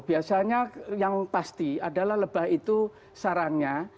biasanya yang pasti adalah lebah itu sarangnya